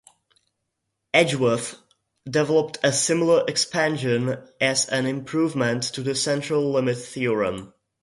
Edgeworth developed a similar expansion as an improvement to the central limit theorem.